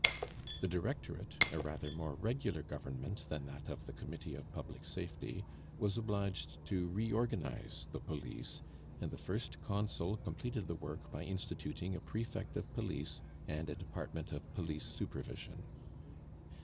The Directorate, a rather more regular government than that of the Committee of Public Safety, was obliged to reorganize the Police, and the first Consul completed the work by instituting a Prefect of Police and a department of police supervision.